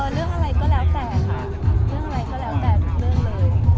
เรื่องอะไรก็แล้วแต่ค่ะเรื่องอะไรก็แล้วแต่ทุกเรื่องเลย